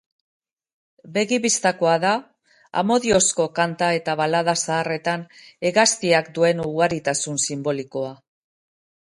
Begi-bistakoa da amodiozko kanta eta balada zaharretan hegaztiak duen ugaritasun sinbolikoa.